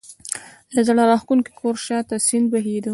د زړه راکښونکي کور شا ته سیند بهېده.